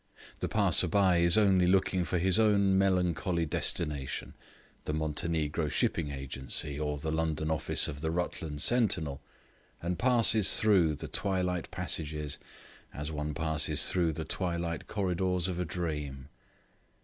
The passer by is only looking for his own melancholy destination, the Montenegro Shipping Agency or the London office of the Rutland Sentinel, and passes through the twilight passages as one passes through the twilight corridors of a dream.